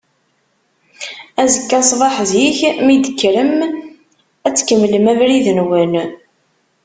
Azekka ṣṣbeḥ zik, mi d-tekkrem ad tkemmlem abrid-nwen.